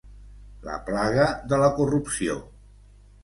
La plaga de la corrupció.